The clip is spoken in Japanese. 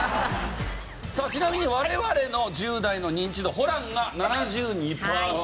さあちなみに我々の１０代のニンチドホランが７２パーセント。